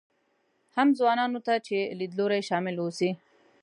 هم ځوانانو ته چې لیدلوري شامل اوسي.